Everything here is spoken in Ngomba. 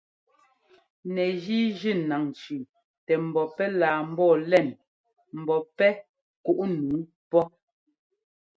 Nɛgíi jʉ́ naŋ tsʉ́ʉ tɛ mbɔ pɛ́ laa ḿbɔɔ lɛŋ ḿbɔ́ pɛ́ kuꞌ nǔu pɔ́.